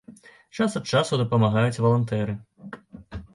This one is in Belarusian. Час ад часу дапамагаюць валантэры.